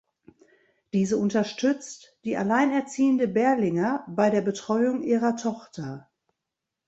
Diese unterstützt die alleinerziehende Berlinger bei der Betreuung ihrer Tochter.